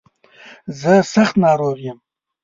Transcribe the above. زه سخت ناروغ يم.